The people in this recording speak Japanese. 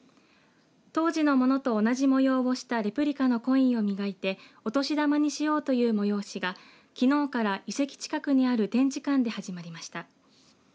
当時のものと同じ模様をしたレプリカのコインを磨いてお年玉にしようという催しがきのうから遺跡近くにある展示館で始まりました。